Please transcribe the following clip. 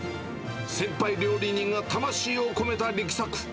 先輩料理人が魂を込めた力作。